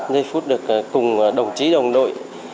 giây phút được cùng đồng chí đồng đội